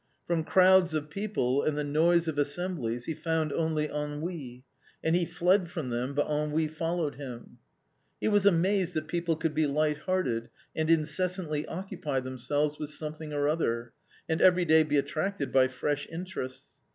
From crowds of people and the noise of assemblies he found only ennui, and he fled from them, but ennui followed him. He was amazed that people could be light hearted and incessantly occupy themselves with something or other, and everyday be attracted by fresh interests.